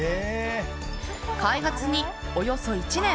開発に、およそ１年。